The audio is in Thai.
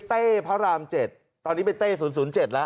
พระราม๗ตอนนี้เป็นเต้๐๐๗แล้ว